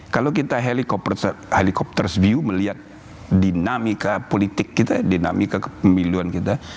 kalau kita helikopters view melihat dinamika politik kita dinamika kepemiluan kita